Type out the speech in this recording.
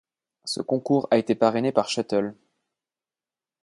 Ce concours a été parrainé par Shuttle.